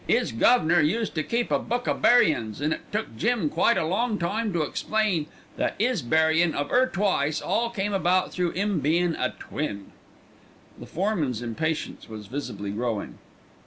'Is guv'nor used to keep a book o' buryin's, and it took Jim quite a long time to explain that 'is buryin' of 'er twice all come about through 'im bein' a twin." The foreman's impatience was visibly growing.